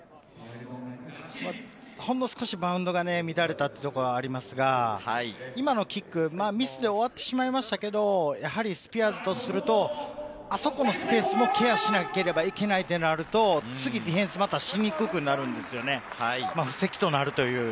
ほんの少し、バウンドが乱れたというところはありますが、今のキック、ミスで終わってしまいましたけれど、スピアーズとすると、あそこのスペースもケアしなければいけないとなると、ディフェンスは出しにくくなるんですよね。